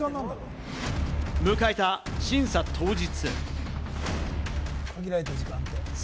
迎えた審査当日。